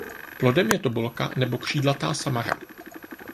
Plodem je tobolka nebo křídlatá samara.